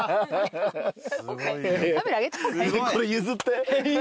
これ譲って？